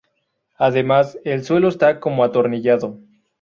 Además, el suelo está como atornillado.